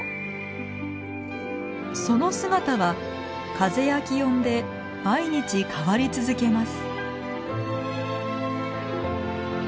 その姿は風や気温で毎日変わり続けます。